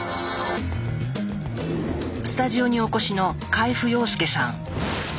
スタジオにお越しの海部陽介さん。